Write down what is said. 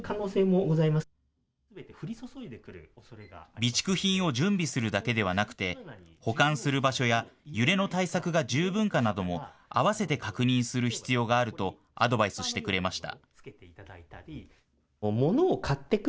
備蓄品を準備するだけではなくて保管する場所や揺れの対策が十分かなどもあわせて確認する必要があるとアドバイスしてくれました。